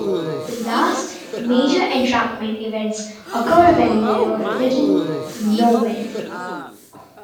The last major entrapment events occurred when there was little to no wind.